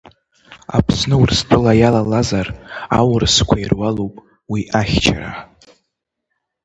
Аԥсны Урыстәыла иалалазар, аурысқәа ируалуп уи ахьчара.